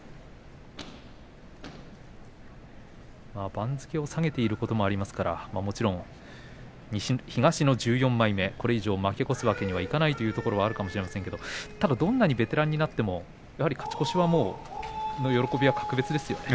番付を下げていることもありますからもちろん、東の１４枚目これ以上負け越すわけにはいかないということもあると思いますがただどんなにベテランになっても勝ち越しの喜びは格別ですよね。